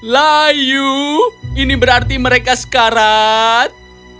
layu ini berarti mereka sekarat